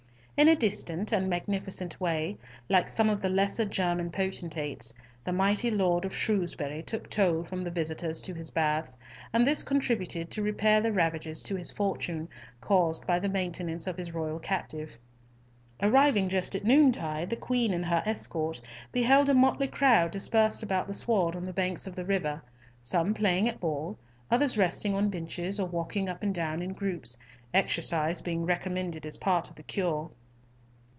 In a distant and magnificent way, like some of the lesser German potentates, the mighty Lord of Shrewsbury took toll from the visitors to his baths, and this contributed to repair the ravages to his fortune caused by the maintenance of his royal captive. Arriving just at noontide, the Queen and her escort beheld a motley crowd dispersed about the sward on the banks of the river, some playing at ball, others resting on benches or walking up and down in groups, exercise being recommended as part of the cure.